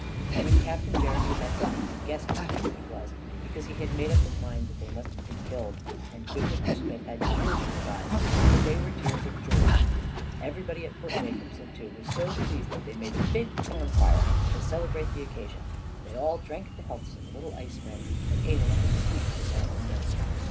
When Captain Jeremy met them, you can guess how pleased he was, because he had made up his mind that they must have been killed; and good Mr Smith had tears in his eyes, but they were tears of joy. Everybody at Port Jacobson, too, was so pleased that they made a big bonfire to celebrate the occasion, and they all drank the healths of the little ice men and ate a lot of sweets in their honour.